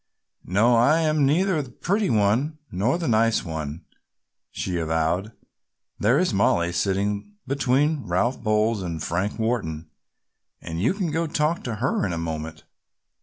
"No, I am neither the pretty one nor the nice one," she avowed. "There is Mollie sitting between Ralph Bowles and Frank Wharton and you can go talk to her in a moment.